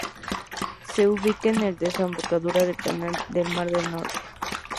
Se ubica en la desembocadura de la canal del mar del Norte.